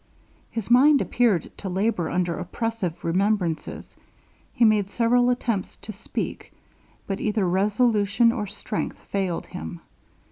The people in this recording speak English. His mind appeared to labour under oppressive remembrances; he made several attempts to speak, but either resolution or strength failed him.